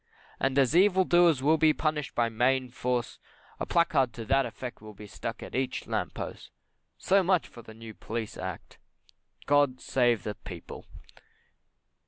And as evil doers will be punished by Mayne force, a placard to that effect will be stuck on each lamp post. So much for the New Police Act. God save the People!